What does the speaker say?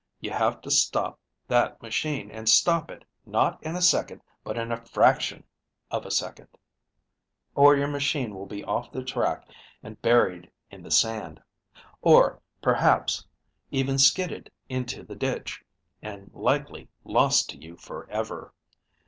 You have to stop that machine, and stop it, not in a second, but in a fraction of a second, or your machine will be off the track and buried in the sand; or, perhaps, even skidded into the ditch, and likely lost to you forever.